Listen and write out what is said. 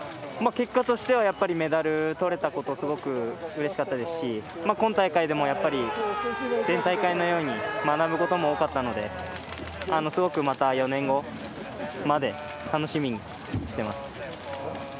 結果としてはメダルとれたことすごくうれしかったですし今大会でもやっぱり前大会のように学ぶことも多かったのですごくまた４年後まで楽しみにしています。